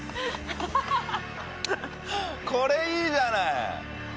これいいじゃない！